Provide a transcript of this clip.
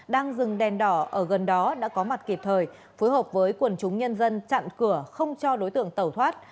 đang dừng đèn đỏ ở gần đó đã có mặt kịp thời phối hợp với quần chúng nhân dân chặn cửa không cho đối tượng tẩu thoát